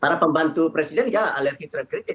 para pembantu presiden ya alergi trakritik